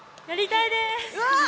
やりたいです！